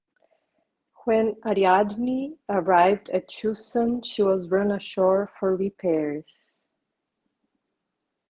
When "Ariadne" arrived at Chusan she was run ashore for repairs.